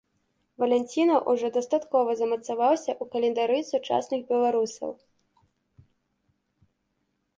Валянціна ўжо дастаткова замацаваўся ў календары сучасных беларусаў.